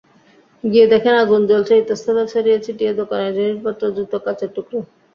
গিয়ে দেখেন আগুন জ্বলছে, ইতস্তত ছড়িয়ে ছিটিয়ে দোকানের জিনিসপত্র, জুতো, কাঁচের টুকরো।